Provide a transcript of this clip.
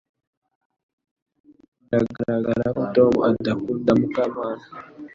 Biragaragara ko Tom adakunda Mukamana